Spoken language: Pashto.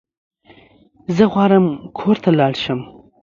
زه غواړم کور ته لاړ شم